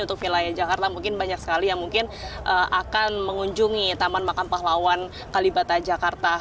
untuk wilayah jakarta mungkin banyak sekali yang mungkin akan mengunjungi taman makam pahlawan kalibata jakarta